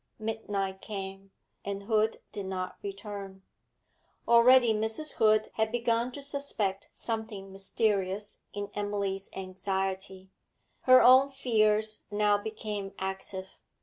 Midnight came, and Hood did not return. Already Mrs. Hood had begun to suspect something mysterious in Emily's anxiety; her own fears now became active.